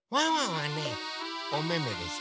はねおめめでしょ。